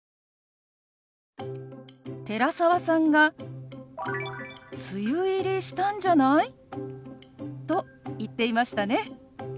寺澤さんが「梅雨入りしたんじゃない？」と言っていましたね。